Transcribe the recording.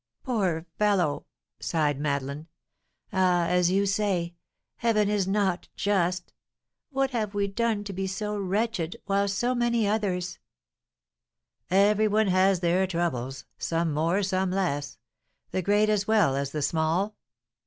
"Poor fellow!" sighed Madeleine. "Ah, as you say, Heaven is not just! What have we done to be so wretched, while so many others " "Every one has their troubles, some more, some less, the great as well as the small."